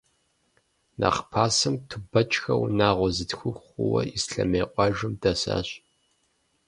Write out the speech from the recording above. Нэхъ пасэм, Тубэчхэ унагъуэ зытхух хъууэ, Ислъэмей къуажэм дэсащ.